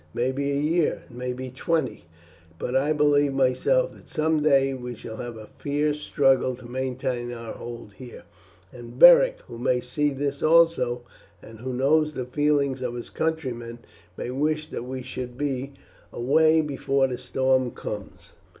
It may be a year, and it may be twenty, but I believe myself that some day we shall have a fierce struggle to maintain our hold here, and Beric, who may see this also, and who knows the feeling of his countrymen, may wish that we should be away before the storm comes.